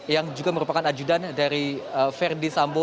yang juga merupakan ajudan dari verdi sambo